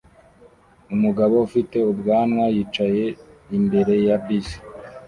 Umugabo ufite ubwanwa yicaye imbere ya bisi